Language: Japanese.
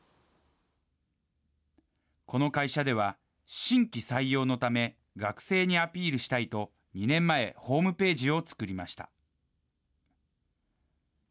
この会社では、新規採用のため、学生にアピールしたいと、２年前、ホームページを作りました。